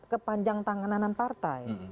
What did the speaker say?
kepanjang tangananan partai